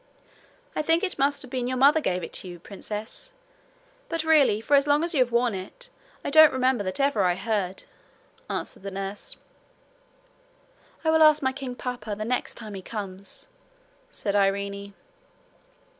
'I think it must have been your mother gave it you, princess; but really, for as long as you have worn it, I don't remember that ever I heard,' answered her nurse. 'I will ask my king papa the next time he comes,' said Irene.